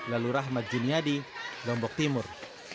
lalu rahmat juniadi lombok timur